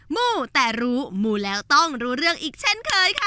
มู้แต่รู้มูแล้วต้องรู้เรื่องอีกเช่นเคยค่ะ